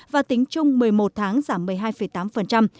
và tính chung một mươi một tháng giảm một mươi hai tám